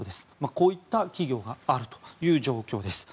こういった企業があるという状況です。